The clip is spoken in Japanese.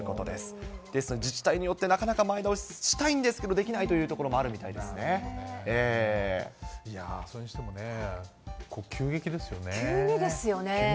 ですので、自治体によってなかなか、前倒ししたいんですけれども、できないというところもあるみたそれにしてもね、急激ですよ急にですよね。